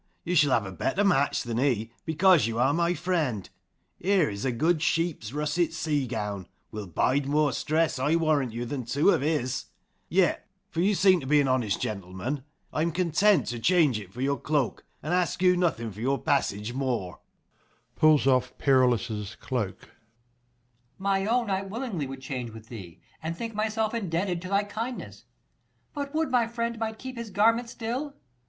you shall have a better match than he, because you are my friend : here is a good sheep's russet sea gown, will bide more stress, I warrant you, than two of his ; yet, for you seem to be an honest gentleman, I am content to change it for your cloak, and ask you nothing for your passage more. [Pulls ^Perillus's cloak. Per. My own I willingly would change with thee, And think myself indebted to thy kindness : But would my friend might keep his garment still.